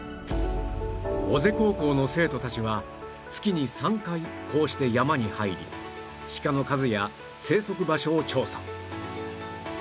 尾瀬高校の生徒たちは月に３回こうして山に入りシカの数や生息場所を調査